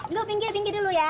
belum pinggir pinggir dulu ya